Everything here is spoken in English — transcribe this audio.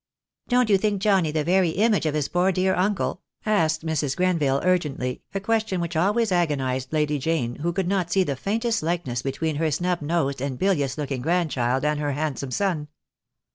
"Don't you think Johnnie the very image of his poor dear uncle?" asked Mrs. Grenville urgently, a question which always agonized Lady Jane, who could not see the faintest likeness between her snub nosed and bilious look ing grandchild and her handsome son.